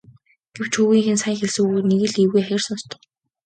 Гэвч хүүгийн нь сая хэлсэн үг нэг л эвгүй хахир сонстов.